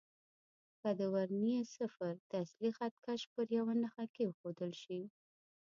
که د ورنيې صفر د اصلي خط کش پر یوه نښه کېښودل شي.